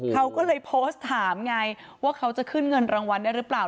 เขาก็เลยโพสต์ถามไงว่าเขาจะขึ้นเงินรางวัลได้หรือเปล่า